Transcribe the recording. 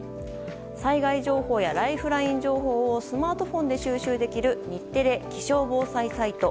災害情報やライフライン情報をスマートフォンで収集できる日テレ気象・防災サイト。